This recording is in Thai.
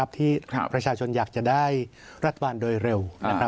ที่ประชาชนอยากจะได้รัฐบาลโดยเร็ว